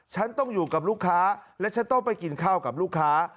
ฉันต้องอยู่กับลูกค้าและฉันต้องไปกินข้าวกับลูกค้า